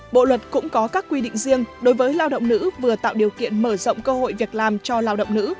bộ luật cũng có các quy định riêng đối với lao động nữ vừa tạo điều kiện mở rộng cơ hội việc làm cho lao động nữ